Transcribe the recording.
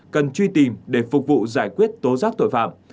cần truy tìm để phục vụ giải quyết tố giác tội phạm